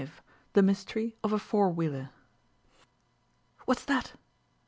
V THE MYSTERY OF A FOUR WHEELER "What's that?"